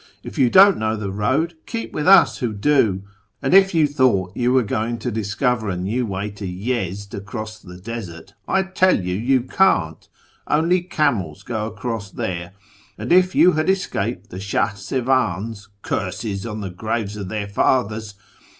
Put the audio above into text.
If you don't know the road, keep with us who do ; and if you thought you were going to discover a new way to Yezd across the desert, I tell you you can't ; only camels go across there ; and if you had escaped the Shah sevans (curses on the graves of their fathers